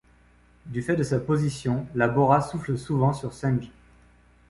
Du fait de sa position, la bora souffle souvent sur Senj.